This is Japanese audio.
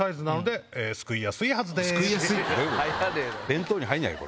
弁当に入んないよ